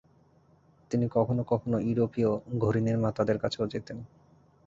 তিনি কখনো কখনো ইউরোপীয় ঘড়িনির্মাতাদের কাছেও যেতেন।